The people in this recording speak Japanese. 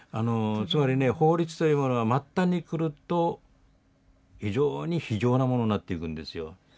つまりね法律というものは末端に来ると非常に非情なものになっていくんですよ。